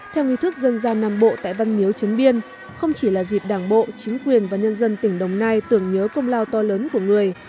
theo nghi thức dân gian nam bộ tại văn miếu trấn biên không chỉ là dịp đảng bộ chính quyền và nhân dân tỉnh đồng nai tưởng nhớ công lao to lớn của người